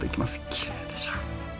きれいでしょ。